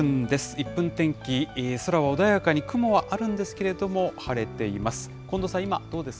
１分天気、空は穏やかに、雲はあるんですけれども晴れています。